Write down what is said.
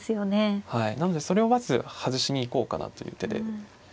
なのでそれをまず外しに行こうかなという手で。